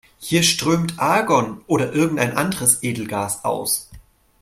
Hier strömt Argon oder irgendein anderes Edelgas aus.